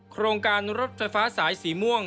โครงการรถไฟฟ้าสายสีม่วง